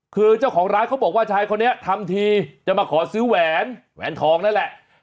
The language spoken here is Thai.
คือเจ้าของร้านเขาบอกว่าชายคนนี้ทำทีจะมาขอซื้อแหวนแหวนทองนั่นแหละ